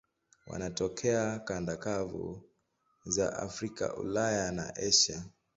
Wanatokea kanda kavu za Afrika, Ulaya na Asia.